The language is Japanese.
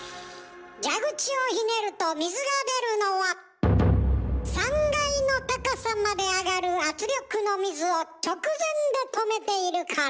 蛇口をひねると水が出るのは３階の高さまで上がる圧力の水を直前で止めているから。